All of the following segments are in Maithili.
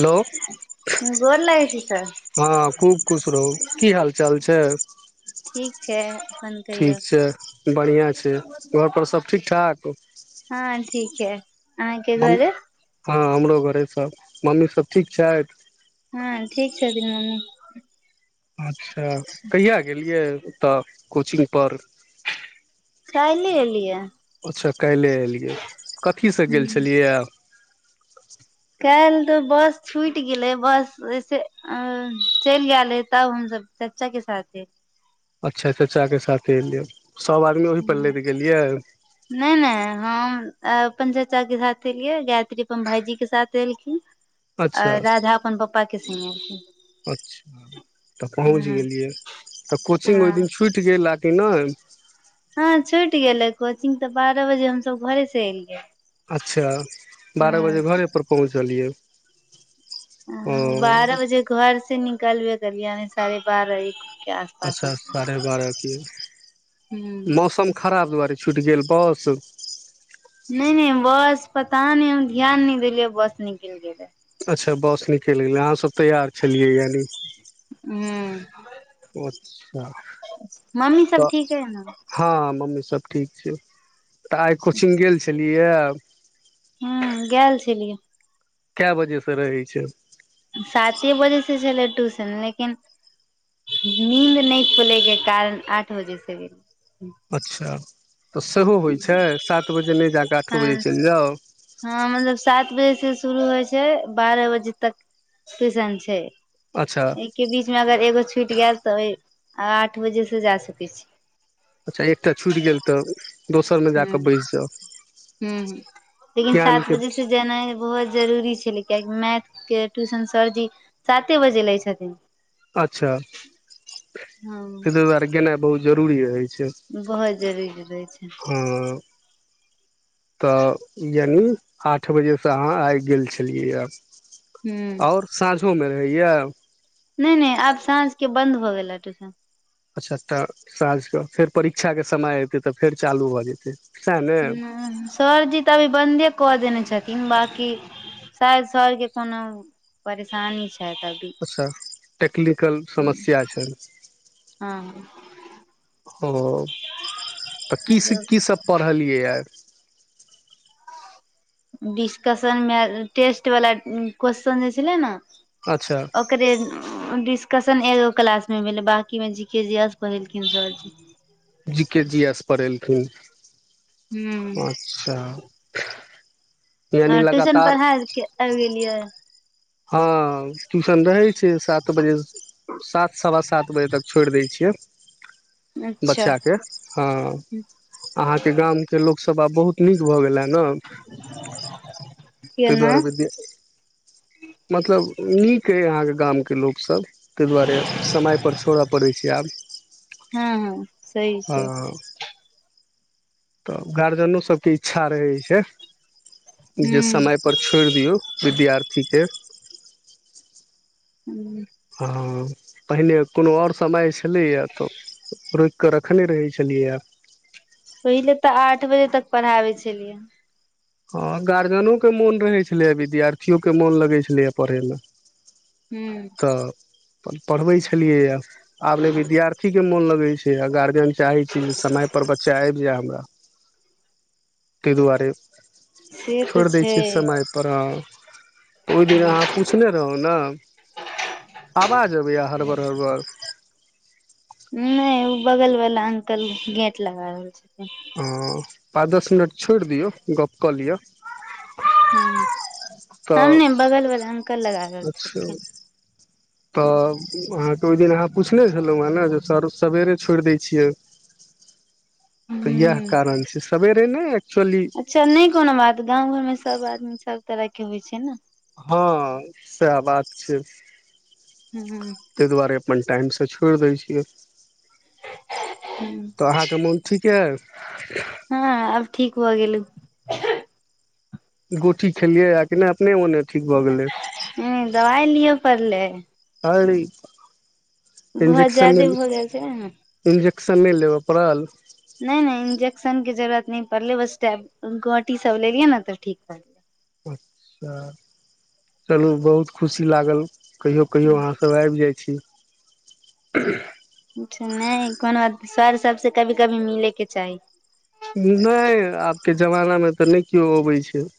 हेलो हँ गोर लागै छै सर। हँ खूब खुश रहू की हाल चाल छै? ठीक छैय अपन कहियौ। ते। बढ़िआँ छै घरपर सब ठीकठाक। हँ ठीक छै आहाँके मम घरे- हँ हमरो घरे सब मम्मी सब ठीक छैथ? हँ ठीक छथिन मम्मी। अच्छा कहिया गेलियै ओतऽ कोचिंग पर? कैल्हे एलियै। अच्छा कैल्हे एलियै कथि से गेल हूँ छेलियै ये? कैल्हरे बस छूइट गेलै बस से- अँ चैल गेल रहे तब हमसब चचा के साथे। अच्छा चचा के साथे एयलियै सब आदमी ओहि पर लैध गेलियै? नैय-नैय हम अपन जे चाचा के साथ एलियै गायत्री अपन भायजी के साथ एलखिन। आ अच्छा राधा अपन पप्पा के सने अच्छा तऽ, पहुँच गेलियै तऽ, कोचिंग ओइ हँ दिन छुटि गेल आकि नोइ हँ छुटि गेलै कोचिंग तऽ बारह बजे हमस घरे से एललिये। अच्छा बारह बजे घरेपर पहुँचलियै। ओ बारह बजे घर से निकलबे करियानी साढ़े बारह एक के आस पास अच्छा साढ़े बारह के, हूँ मौसम खराब दुआरे छुइट गेल बोस नइ -नइ बस पता नय हम ध्यान नय देलियै बस निकलि गेल रहे अच्छा बस नीके लगलै अहाँसभ तैयार छलियै, यानि ह अच्छा मम्मी सब तऽ ठीक अइ न हँ मम्मी सब ठीक छै, तऽ आइ कोचिंग गेल छलियै। ह गेल छलियै। केअ बजे से रहै छै। साते बजे से छलै ट्यूशन लेकिन नीद नय खुले के कारण आठ बजे से अइ अच्छा तऽ, सेहो होइत छै, सात बजे नइ जाकऽ, आठो बजे हँ चइल जाउ हँ मतलब सात बजे से शुरू होइ छै, बारह बजे तक ट्यूशन छै। अच्छा एहि के बीच में अगर एगो छूट गैल तऽ ओ आठ बजे से जा सके छी। अच्छा एकटा छुइट गेल तब दोसरमे हूँ जाकऽ बैस हूं जाउ लेकिन सात धआनके बजे से जेनाइ बहुत जरूरी छलै, किएकि मैथके ट्यूशन सरजी साते बजे लै छथिन। अच्छा हँ ताहि दुआरे गेनाइ बहुत जरूरी रहैत छै। बहुत जरूरी रहै छै। अँ तऽ यानि आठ बजेसँ अहाँ आइब गेल छलियैए। हूं आओर साँझोमे रहैएा नै -नै आब साँझ के बंन्द भऽ, गेलै ट्यूशन सबटा साँझके फेर परीक्षाके समय एयतै तऽ, फेर चालू भऽ जेतै। सएह ने ह सरजी तऽ अभी बन्दे कऽ, देने छथिन बकी शायद सर के कोनो परेशानी छथि अभी अच्छा टेक्निकल समस्या छयन हँ ह तऽ, की - की सब पढ़लियैए डिस्कशन मे टेस्ट वाला क्वेेश्चन जे छलै न अच्छा ओकरे डिस्कशन एगो क्लास मे भेलै बाकी मे जी के जी एस पढ़ेलखिन सर जी जी के जी एस पढ़ेलखिन हू अच्छा अ यानि ट्यूशन लगातार पढ़ा आबि गेलियै। हँ ट्यूशन रहै छै, सात बजे सात सवा सात बजे तक छोड़ि दै छियै। अच्छा बच्चा के हँ अहाँके गामके लोकसब आब बहुत नीक भऽ गेल है नऽ। तै केना दुआरे वि्य मतलब नीक अइ अहाँके गामके लोकसब। तै दुआरे समय पर छोड़य पड़ैत छै आब। हँ हँ सही छै। हँ तऽ गार्जियनो सबके इच्छा रहै छै, जे हूँ पर छोइड़ दियौ विद्यार्थी के। हूँ। हँ पहिने कोनो और समय छलैया तऽ। रोइकि कऽ रखने रहै छलियै है। पहिले तऽ आठ बजे तक पढ़ाबै छलियै। हँ गार्जिनयो के मोन रहै छलै, आ विद्यार्थियों के मोन लगै छलैए पढ़यमें। हूं। त पढ़बे छलिय, आब ने विद्यार्थी के मन लगे छै, गार्जिय चाहै छै जे समय पर बच्चा आबि जाइ हमरा, तै दुआरे से तऽ छोड़ि दै छै छियै समय प र हं तऽ ओहि दिन अहाँ पुछने रहू ने। आवाज अभैय हरबर- हरबर। नैउ बगल बला अंकल गेट लगा रहल छथिन। हं पाँच- दस मिनट छोड़ि दियौ, गप कऽ लिअ। हूं तऽ हम ने बगल बल अंकल लगा रहल अच्छा! छलखिन तऽ अहाँके ओहि दिन अहाँ पुछने छलहुँ हेँ ने जे सर सवेरे छोड़ि दै छियै। तऽ इएह हूँ कारण छै सबेरे ने एक्चुअली से नै कोनो बात गाँव घर में सब आदमी सब तरहके होइ छै ने। हँ सएह बात छै। ह तै दुआरे अपन टाईम से छोड़ि दैऽ छियै। हूं। तऽ अहाँके मोन ठीक यऽ। हँ आब ठीक भऽ गेले। गोटी खेलिय आ कि ने अपने मोने। ह दबाई लियअ पड़लै। आरी। बहुत जायदे भऽ गेल छै ने। इन्जेक्शन नहि लेबऽ पड़ल। नै- नै इंजेक्शन के जरुरत नहि पड़ले, बस टैब-गोटी सब लेलियै ने तऽ ठीक रहलै। चलू बहुत खुशी लागल। कहियो -कहियो अहाँसब आबि जाइ छी। अच्छा नै कोहनो सैर सबसँ कभी- कभी मिलेके चाही। नै आबके जमाना मे तऽ नै केओ अबै छै।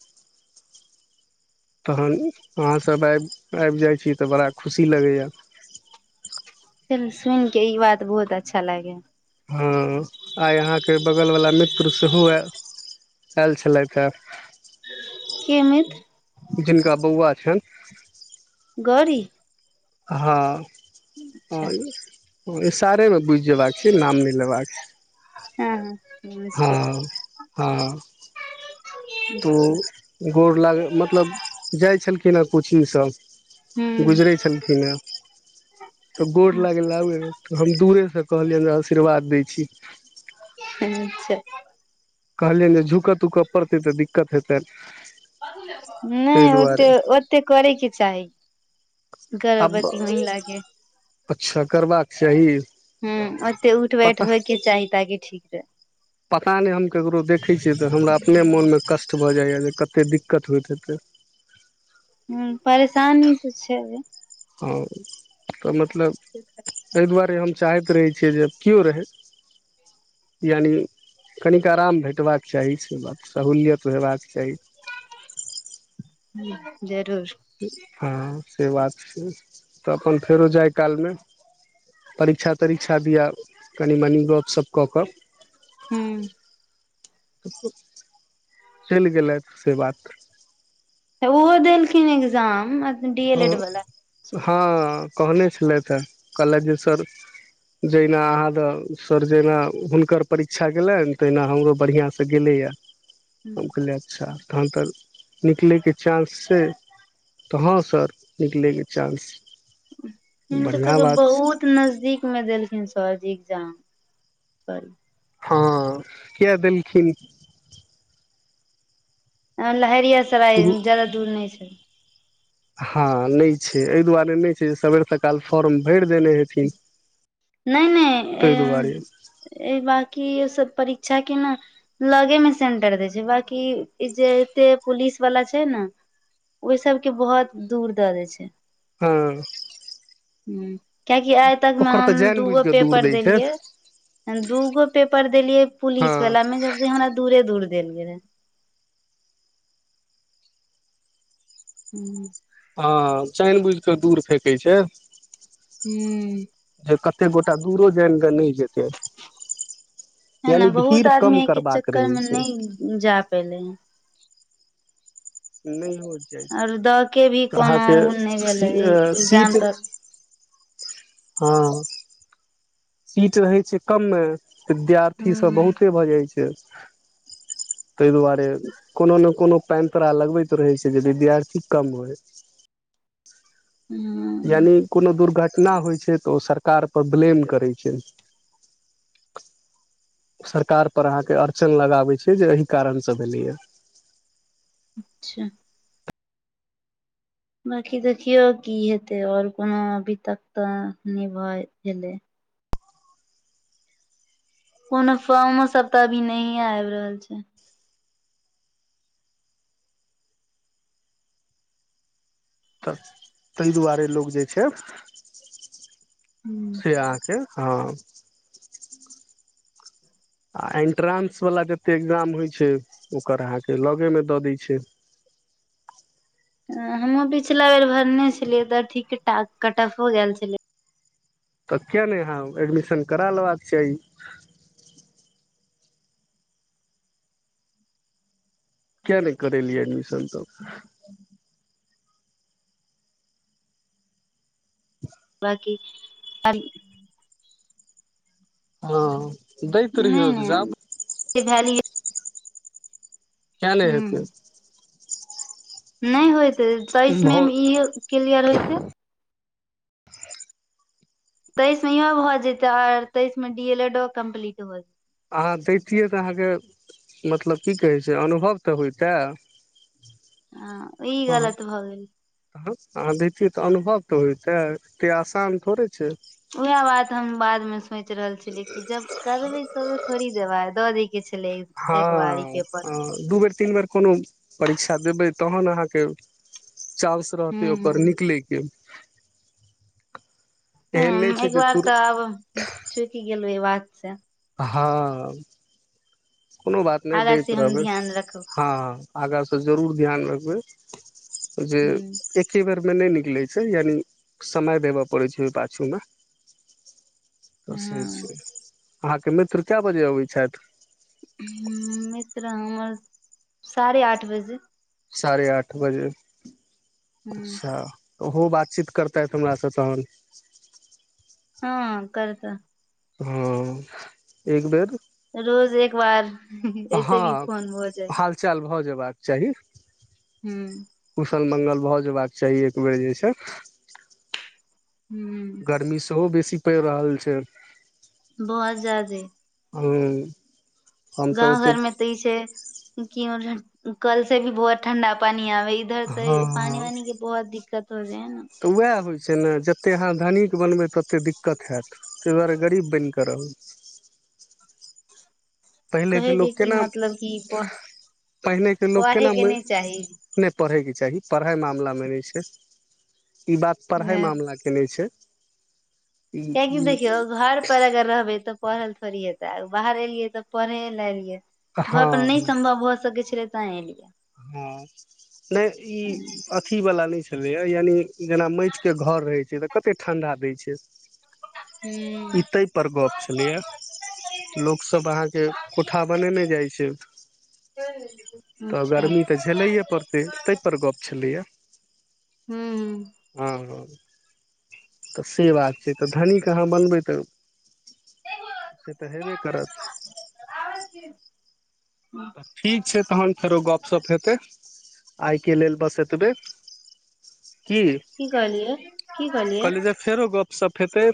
तहन अहाँस आबि-आबि जाइ छी, तऽ बड़ा खुशी लगैया। फेन सुन के ई बात बहुत अच्छा लागे। हँ आइ अहाँके बगलवला मित्र सेहो ए आयल छलैत है। के मित्र? जिनका बौआ छैन। गौरी हँ अच्छा हं ओ इशारे मे बुझि जेबाक छै नाम नै लेबाक छै, हँ हँ हँ नमस्ते हँ। त अच्छा ओ गोर लागै मतलब जाइ छलखिन हैं कोचिंगस गुजरय ह छलखिन ए। तऽ गोर लागै लै आबै हम दूरे स कहलियैन आशीर्वाद दै छी। अच्छा कहलियैन जे झुकऽ तुकऽ पड़तै तऽ दिक्कत हेतेन। नै ओते ओते करयके चाही। आब गर्भवती महिला के। अच्छा करबाक चाही। हूं ओत्ते उठ बैठ पता होइ के चाही ताकि ठीक रहे। पता नै हम केकरो देखै छियै तऽ हमरा अपने मोनमे कष्ट भऽ जाइए जे कतेे दिक्कत होइत हेतै। हूं परेशानी तऽ छै। हँ तऽ मतलब ठीक है तै दुआरे हम चाहैत रहै छियै जे केओ रहै यानि कनिक आराम भेटबाक चाही से बात सहूलियत हेबाक चाही हूं जरूर हँ से बात छै तऽ अपन फेरो जाइ कालमे परीक्षा तरीक्षा दिया कनी मनी गपशप कऽ कऽ हूं चलि गेलैथि से बात। त ओहो देलखिन exam D L O Ed वाला हँ कहने छलथि है कहलथि जे सर जहिना अहाँ द सर जहिना हुनकर परीक्षा गेलनि तहिना हमरो बढ़ियां स गेलैयै। [inaudible] हम कहलियै अच्छा तहन तऽ निकलयके चांस छै, तऽ हं सर निकलयके चान्स हुनकर सबकेे बहुत नजदीक में देलखिन सरजी एग्जाम [unintelligible] हँ कियै देलखिन? अं लहेरियासराय शुरू जादा दूर नै छै। हां नै छै एहि दुआरे नहि छै जे सवेर सकाल फॉर्म भरि देने हेत नै नै ए ताहि अ दुआरे ए बाकियो सब परीक्षा के न लगे मे सेंटर देै छै बाकी ई जे एते पुलिस वाला छै ने ओइ सबके बहोत दूर दऽ दय छै हूं हूं कियैकि आइ तकमे ओकर तऽ हम जानि बुझि दूगो कऽ दूर पेपर दै छै देलियै दूगो पेपर देलिये हँ पुलिस वला में जब से हमरा दूरे दूर देल गेलै। हूं हँ चानि बुझ केऽ दूर फेेकै छै। हूं जे कत्ते गोटा दूरो जाइन कऽ नैय जेतै। तैं यानि न बहुत भीड़ आदमी कम एय के करबाक चक्कर रहै मे छै नैय जा पेलै। नहियो जाइ छै और द के भी तऽ कोनो अहाँके नहि भेलै सी एग्जाम सीट तऽ हँ सीट रहै छै कममे। विद्यार्थीसभ ह बहुते भऽ जाइ छै। तय दुआरे कोनो न कोनो पैंतरा लगबैत रहै छियै जे विद्यार्थी कम होय। हूं। यानि कुनो दुर्घटना होइ छै तऽ ओ सरकार पर ब्लेम करै छै। सरकार पर अहाँके अड़चन लगाबै छै जे अहि कारण स भेलैया। च्छा। बाँकी देखियौ की हेतै और कोनो अभी तक तऽ नैय भऽ गेलै। कोनो फर्मो सब तऽ अभी नैहे आइब रहल छै। तऽ तैय दुआरे लोक जे छैय ह से अहाँके हँ। आ एन्ट्रांसवला जतेक एग्जाम होइ छैय ओकर अहाँके लगेमे दऽ दैय छैय। हमहूँ पिछला बेर भरने छेलियै तऽ ठीक-ठाक कऽटऽफो गैल छेलै। तऽ किए नैय अहाँ एडमिशन करा लेबाक चाही। किऐ नैय करेलियै एडमिशन तब? [inaudible] बाकी [unintelligible] हँ दैत रहियौ एग्जाम। के भैलिये कियै नै हैते। नैय होयतै तइस में भ म इह क्लियर होयतै तइस में इहो भऽ जेतै और तइस में डीएलएडो कम्प्लीट भऽ अहाँ दैतियै तऽ अहाँके मतलब की कहै छैय अनुभव तऽ होइतै। हँ ई गलत भऽ गेल। तहन अहाँ दैतियै तऽ अनुभव तऽ होयतै एत्ते आसान थोड़े छैय। उहै बात हम बादमें सोइच रहल छेलियै की जब [unintelligible] थोड़ी देबाई दऽ दै के छेलै। हँ अ दू बेर तीन बेर कोनो परीक्षा देबै तहन अहाँके चांस रहतै हूं ओकर निकलै के [inaudible] हम्म एकबार तऽ आब चुइक गेलु एय बात से। हाँअ कोनो बात नै आगा दैत से हम रहबै। ध्यान रखब हँ आगा स जरूर ध्यान रखबै जे हूं ए क्के बेर में नै निकले छै यानि समय देबऽ पड़ै छै ओय पाछू में। तऽ से हँ छै अहाँके मित्र कए बजे अबै छैथ? हुँम्म मित्र हमर साढ़े आठ बजे। साढ़े आठ बजे, ह अच्छा। ओहो बातचीत करतैथ हमरासँ तहन। हँ करता। हँ एकबेर रोज एकबार हींहीं ऐसे भी फोन भऽ जाइ चाल भऽ जयबाक चाही। हूॅह। कुशल मंगल भऽ जेयबाक चाही एक बेेर जे छै। हूँ ह। गर्मी सेहो बेसी पड़ि रहल छै। बहोत जादे। हम्ह‌। गाँंव घर में तऽ ई छै कि कल से भी बहुत ठण्डा पानी आबै। इधर हँ तऽ हँ पानि वानि के बहोत दिक्कत हो जाय है नऽ। वएह होइ छै ने जते अहाँ धनिक बनबै तते दिक्कत हेएत। ताहि दुआरे गरीब बनि कऽ रहु। पहिलेके कहे लोक के की केना मतलब कि पढ़ पहिलेके लोक पढ़े केना के म नहि चाही नहि पढ़ैके चाही पढ़ाई मामलामे नै छै ई बात पढ़ाई कियकि मामलाके केने छै। ई कियाकी ई देखियौ घर पर अगर रहबै तऽ पढ़ल थोड़ी हेतै बाहर एलियै तऽ पढ़े ले एलियै घर पर हँ नै सम्भव भऽ सकैत छलै। तेय एलियै। हाँम्ह नैह ई। हूं अथी वाला नहि छलैया यानि जेना मैटके घर रहै छै तऽ कते ठंडा दै छै। ई तैह पर गप्प छलैए। लोकसब अहाँके कोठा बनेने जाइ छैथ। तऽ अच्छा गरमी तऽ झेलैए पड़तै तैह पर गप्प छलैए। ह्म हूँ। हा हो। त से बात छै तऽ धनीक अहाँ बनबै त से त हेबे करत। आबै छी त ठीक छै तहन फेरो गपसप हेतै आइ के लेल बस एत तबे की की कहलियै की कहलियै कहलिजे फेरो गपशप हेतै।